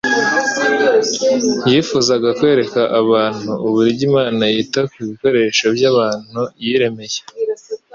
Yifuzaga kwereka abantu uburyo Imana yita ku bikoresho by'abantu yiremeye.